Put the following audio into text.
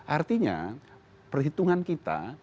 artinya perhitungan kita di dalam anggaran kita